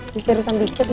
bisa rusak dikit gak sih